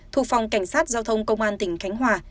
thuộc phòng cảnh sát giao thông công an tỉnh khánh hòa